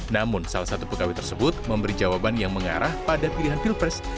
namun salah satu pegawai tersebut memberi jawaban yang mengarah pada pilihan pilpres